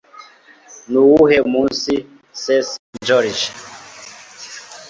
Nuwuhe munsi St St Georges?